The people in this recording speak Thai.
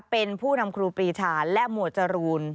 เป็นผู้นำครูปรีชาและหมวดจรูน